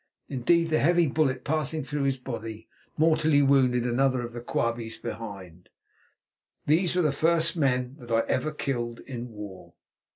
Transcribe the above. Indeed the heavy bullet passing through his body mortally wounded another of the Quabies behind. These were the first men that I ever killed in war.